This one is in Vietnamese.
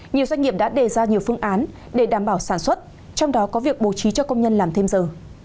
nhiều doanh nghiệp đã đề ra nhiều phương án để đảm bảo sản xuất trong đó có việc bố trí cho công nhân làm thêm giờ